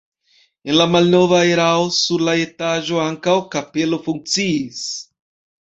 En la malnova erao sur la etaĝo ankaŭ kapelo funkciis.